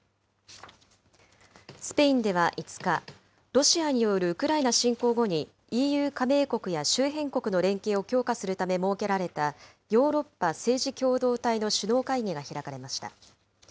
スペインでは５日、ロシアによるウクライナ侵攻後にＥＵ加盟国や周辺国の連携を強化するため設けられたヨーロッパ政治共同体の首脳会議が開かれました。